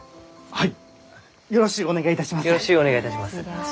はい。